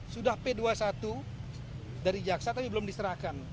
sudah p dua puluh satu dari jaksa tapi belum diserahkan